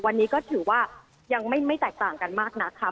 วันนี้ก็ถือว่ายังไม่แตกต่างกันมากนักค่ะ